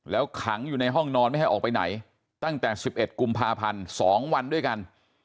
แล้วขังอยู่ในห้องนอนไม่ให้ออกไปไหนตั้งแต่๑๑กุมภาพันธ์๒วันด้วยกัน